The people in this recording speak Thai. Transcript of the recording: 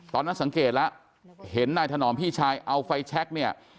ตอนนั้นสังเกตแล้วเห็นนายถนอมพี่ชายเอาไฟแชคเนี่ย